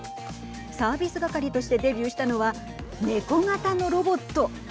サービス係としてデビューしたのはネコ型のロボット。